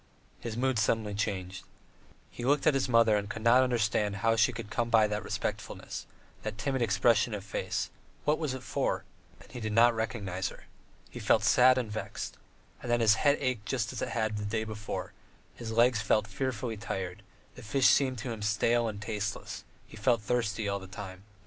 His mood suddenly changed. He looked at his mother and could not understand how she had come by that respectfulness, that timid expression of face: what was it for? And he did not recognize her. He felt sad and vexed. And then his head ached just as it had the day before; his legs felt fearfully tired, and the fish seemed to him stale and tasteless; he felt thirsty all the time.